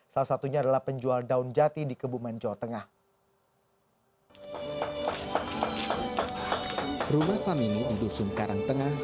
salah satunya adalah penjual daun jati di kebumen jawa tengah